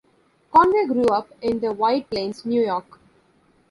Conway grew up in White Plains, New York.